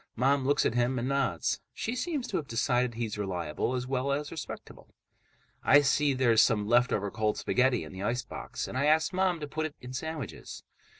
Mom looks at him and nods. She seems to have decided he's reliable, as well as respectable. I see there's some leftover cold spaghetti in the icebox, and I ask Mom to put it in sandwiches.